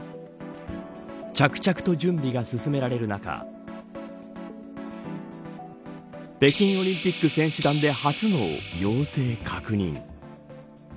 着々と準備が進められる中北京オリンピック選手団で初の陽性確認。